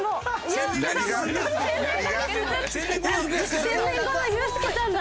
「１０００年後のユースケさんだ！」。